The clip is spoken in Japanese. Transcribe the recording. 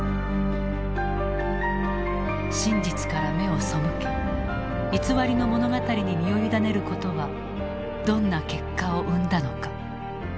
真実から目を背け偽りの物語に身を委ねることはどんな結果を生んだのか。